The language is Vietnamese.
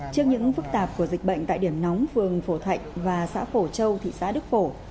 trước những phức tạp của dịch bệnh tại điểm nóng phường phổ thạnh và xã phổ châu thị xã đức phổ